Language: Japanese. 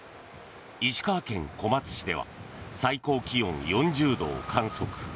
石川県小松市では最高気温４０度を観測。